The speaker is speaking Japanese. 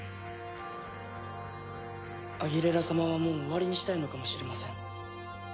アギレラ様はもう終わりにしたいのかもしれません。